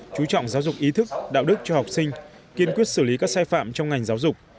chú trọng giáo dục ý thức đạo đức cho học sinh kiên quyết xử lý các sai phạm trong ngành giáo dục